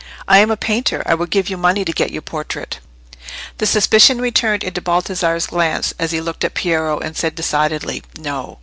"I am a painter: I would give you money to get your portrait." The suspicion returned into Baldassarre's glance, as he looked at Piero, and said decidedly, "No."